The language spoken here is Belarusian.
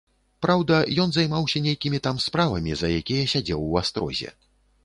Праўда, ён займаўся нейкімі там справамі, за якія сядзеў у астрозе.